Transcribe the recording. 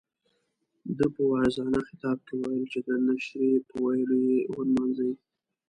ده په واعظانه خطاب کې ویل چې د نشرې په ويلو یې ونمانځئ.